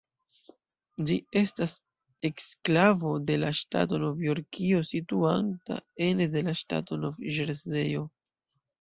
Ĝi estas eksklavo de la ŝtato Novjorkio situanta ene de la ŝtato Nov-Ĵerzejo.